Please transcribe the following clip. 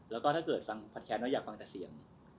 แล้วก็ถ้าเกิดฟังผัดแค้นแล้วอยากฟังแต่เสียง